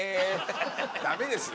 「ダメですよ